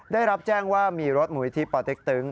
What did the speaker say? ได้รับแจ้งว่ามีรถหมู่ที่ปลอดฤทธิ์ตึง